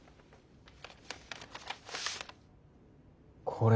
これ。